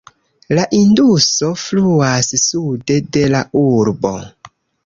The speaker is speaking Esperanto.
La Induso fluas sude de la urbo.